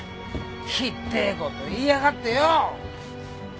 ひっでえこと言いやがってよ。